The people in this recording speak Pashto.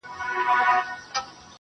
چي د مندر کار د پنډت په اشارو کي بند دی